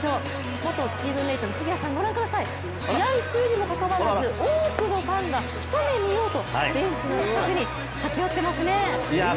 元チームメートの杉谷さんご覧ください、試合中にもかかわらず多くのファンが一目見ようとベンチの近くに駆け寄ってますね。